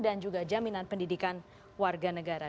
dan juga jaminan pendidikan warga negara